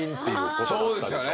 ことあったでしょ。